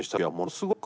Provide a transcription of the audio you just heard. すごい。